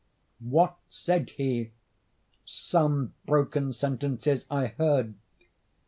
What said he?—some broken sentences I heard.